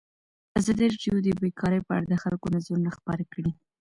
ازادي راډیو د بیکاري په اړه د خلکو نظرونه خپاره کړي.